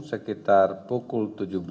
sekitar pukul tujuh belas